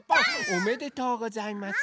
おめでとうございます。